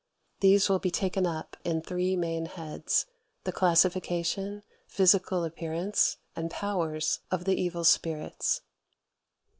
These will be taken up in three main heads: the classification, physical appearance, and powers of the evil spirits.